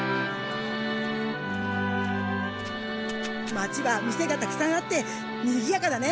町は店がたくさんあってにぎやかだね。